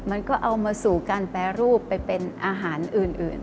มันก็เอามาสู่การแปรรูปไปเป็นอาหารอื่น